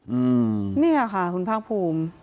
อืมนี่ค่ะคุณพ่างภูมิ